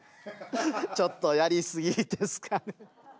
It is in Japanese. ちょっとやりすぎですかね。